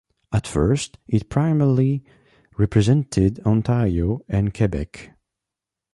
At first it primarily represented Ontario and Quebec.